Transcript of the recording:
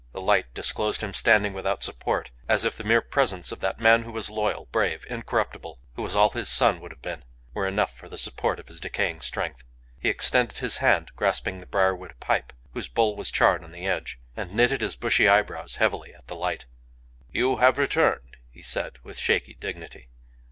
The light disclosed him standing without support, as if the mere presence of that man who was loyal, brave, incorruptible, who was all his son would have been, were enough for the support of his decaying strength. He extended his hand grasping the briar wood pipe, whose bowl was charred on the edge, and knitted his bushy eyebrows heavily at the light. "You have returned," he said, with shaky dignity.